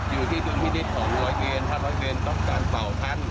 หรือที่ทุนพิฤตของร้อยเกณฑ์ถ้าร้อยเกณฑ์ต้องการเป่าท่าน